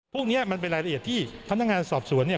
พวกนี้มันเป็นรายละเอียดที่พนักงานสอบสวนเนี่ย